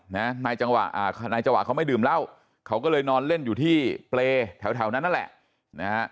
นายเจ้าหวะเขาไม่ดื่มเหล้าเขาก็เลยนอนเล่นอยู่ที่เปรย์แถวนั้นแหละ